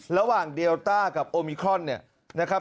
เดลต้ากับโอมิครอนเนี่ยนะครับ